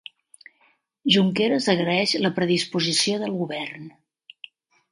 Junqueras agraeix la predisposició del govern